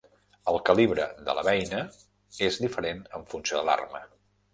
El calibre de la beina és diferent en funció de l'arma.